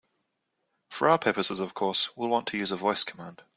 For our purposes, of course, we'll want to use a voice command.